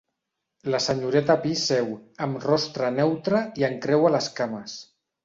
La senyoreta Pi seu, amb rostre neutre, i encreua les cames.